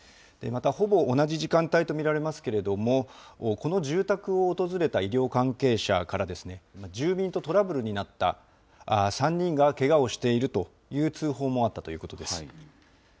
またほぼ同じ時間帯と見られますけれども、この住宅を訪れた医療関係者から、住民とトラブルになった、３人がけがをしているという通報もあったということです。